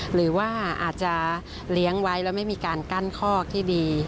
หรือว่าอาจจะเลี้ยงไว้แล้วไม่มีการกั้นคอกที่ดี